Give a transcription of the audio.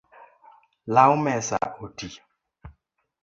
Law mesa oti